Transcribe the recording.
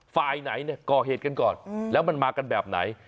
ฝ่ายไหนเนี่ยก่อเหตุกันก่อนแล้วมันมากันแบบไหน